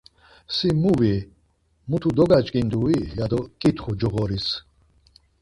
Si mu vi, mutu dogaç̌ǩindui? ya do ǩitxu coğoris.